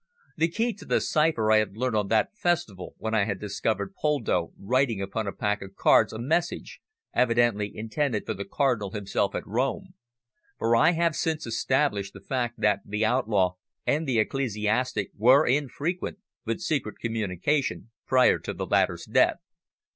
The key to the cipher I had learnt on that festival when I had discovered Poldo writing upon a pack of cards a message, evidently intended for the Cardinal himself at Rome, for I have since established the fact that the outlaw and the ecclesiastic were in frequent but secret communication prior to the latter's death."